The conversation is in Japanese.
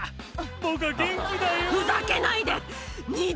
「僕は元気だよ」。